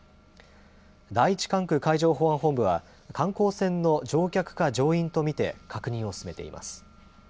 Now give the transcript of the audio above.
第１管区海上保安本部は、観光船の乗客か乗員と見て、確認を進めています。